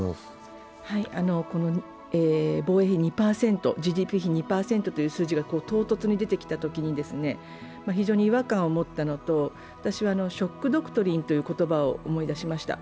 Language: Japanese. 防衛２％、ＧＤＰ２％という数字が唐突に出てきたときに非常に違和感を持ったのと、ショック・ドクトリンという言葉を思い出しました。